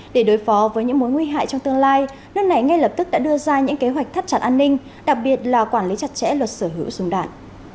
để đối phó với những mối nguy hại trong tương lai nước này ngay lập tức đã đưa ra những kế hoạch thắt chặt an ninh đặc biệt là quản lý chặt chẽ luật sở hữu súng đạn